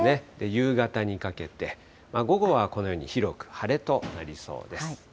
夕方にかけて、午後はこのように広く晴れとなりそうです。